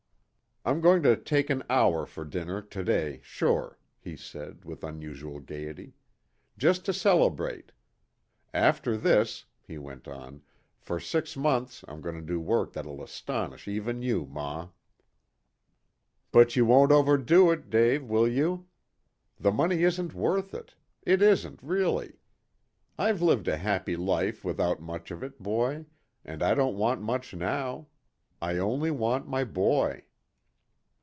"I'm going to take an hour for dinner to day sure," he said, with unusual gaiety. "Just to celebrate. After this," he went on, "for six months I'm going to do work that'll astonish even you, ma." "But you won't overdo it, Dave, will you? The money isn't worth it. It isn't really. I've lived a happy life without much of it, boy, and I don't want much now. I only want my boy."